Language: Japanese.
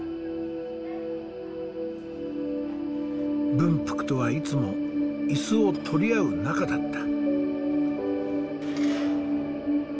文福とはいつも椅子を取り合う仲だった。